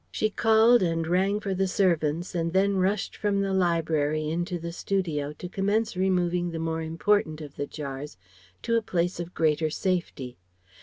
She called and rang for the servants, and then rushed from the library into the studio to commence removing the more important of the jars to a place of greater safety.